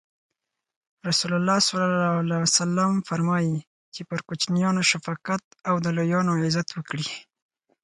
رسول الله ص فرمایي: چی پر کوچنیانو شفقت او او د لویانو عزت وکړي.